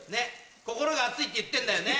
心が熱いって言ってんだよね？